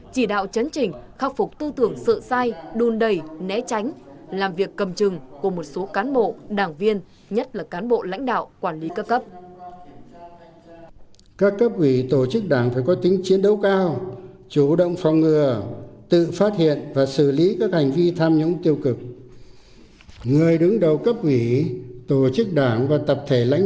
chỉ đạo chấn trình khắc phục tư tưởng sự sai đun đầy né tránh làm việc cầm chừng của một số cán bộ đảng viên nhất là cán bộ lãnh đạo quản lý cấp cấp